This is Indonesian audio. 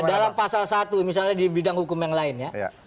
dalam pasal satu misalnya di bidang hukum yang lain ya